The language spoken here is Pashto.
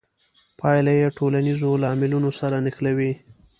پایله یې ټولنیزو لاملونو سره نښلوي.